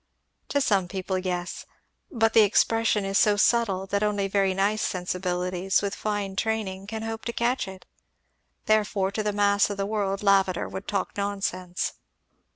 "To some people, yes! But the expression is so subtle that only very nice sensibilities, with fine training, can hope to catch it; therefore to the mass of the world Lavater would talk nonsense."